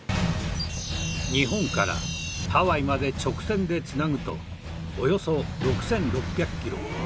日本からハワイまで直線で繋ぐとおよそ６６００キロ。